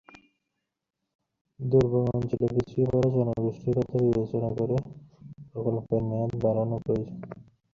আনন্দময়ী মহিমকে ডাকাইয়া বলিলেন, বাবা, বিনয়ের সঙ্গে আমাদের শশিমুখীর বিবাহ হবে না।